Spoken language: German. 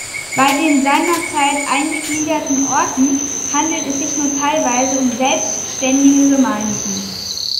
Bei den seinerzeit eingegliederten Orten handelt es sich nur teilweise um selbständige Gemeinden.